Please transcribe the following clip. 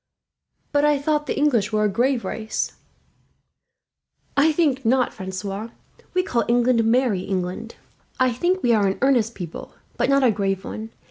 "But I thought the English were a grave race." "I think not, Francois. We call England 'Merry England.' I think we are an earnest people, but not a grave one.